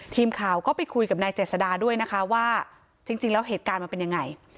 ทีมข่าวก็ไปคุยกับนายเจษดาด้วยนะคะว่าจริงแล้วเหตุการณ์มันเป็นยังไง